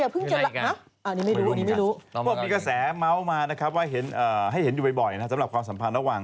พวกมีกระแสเม้ามานะครับว่าให้เห็นอยู่บ่อยสำหรับความสัมพันธ์ระหว่าง